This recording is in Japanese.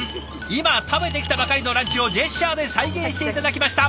今食べてきたばかりのランチをジェスチャーで再現して頂きました。